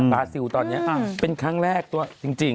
อืมอ้าซิลตอนนี้เป็นครั้งแรกจริง